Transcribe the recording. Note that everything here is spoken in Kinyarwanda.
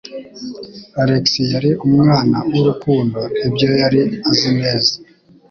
Alex yari umwana w'urukundo - ibyo yari azi neza.